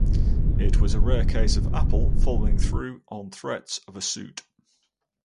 It was a rare case of Apple following through on threats of a suit.